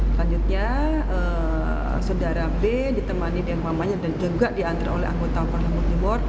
selanjutnya saudara b ditemani dengan pak mania dan juga diantar oleh anggota kabupaten lampung timur